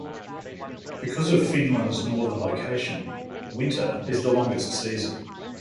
Because of Finland's northern location, winter is the longest season.